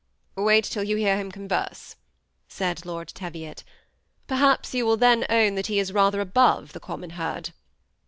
Wait till you hear him converse," said Lord Teviot ;" perhaps you will then own that he is rather above the common herd."